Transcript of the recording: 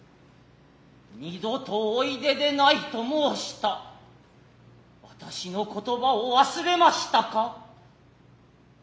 二度とおいででないと申した私の言葉を忘れましたか。